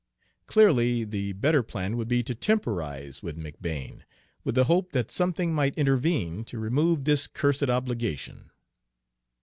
Clearly, the better plan would be to temporize with McBane, with the hope that something might intervene to remove this cursed obligation.